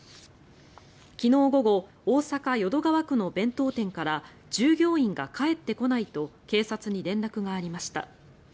昨日午後大阪・淀川区の弁当店から従業員が帰ってこないと警察に連絡がありました。